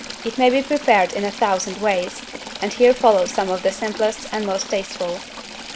It may be prepared in a thousand ways, and here follow some of the simplest and most tasteful.